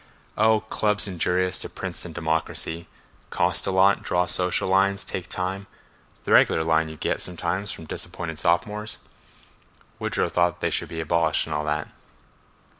"Oh, clubs injurious to Princeton democracy; cost a lot; draw social lines, take time; the regular line you get sometimes from disappointed sophomores. Woodrow thought they should be abolished and all that."